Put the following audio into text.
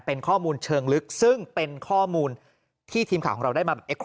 เป็นข้อมูลเชิงลึกซึ่งเป็นข้อมูลที่ทีมข่าวของเราได้มา